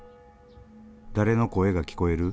誰の声が聞こえる？